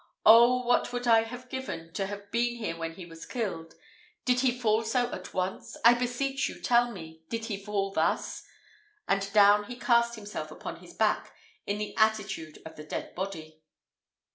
"Oh what would I have given to have been here when he was killed. Did he fall so at once I beseech you tell me, did he fall thus?" and down he cast himself upon his back, in the attitude of the dead body.